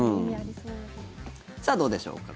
さあどうでしょうか。